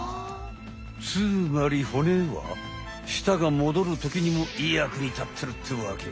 つまり骨は舌が戻る時にもやくにたってるってわけ。